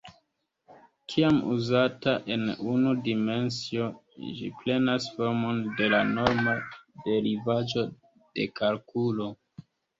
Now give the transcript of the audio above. Kiam uzata en unu dimensio, ĝi prenas formon de la norma derivaĵo de kalkulo.